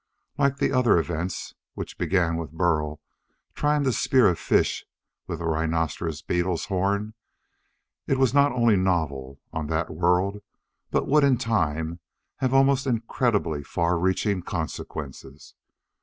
Like the other events, which began with Burl trying to spear a fish with a rhinoceros beetle's horn, it was not only novel, on that world, but would in time have almost incredibly far reaching consequences.